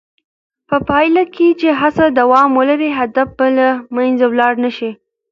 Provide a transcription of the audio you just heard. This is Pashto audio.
په پایله کې چې هڅه دوام ولري، هدف به له منځه ولاړ نه شي.